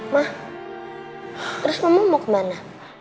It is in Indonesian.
ma terus mama mau kemana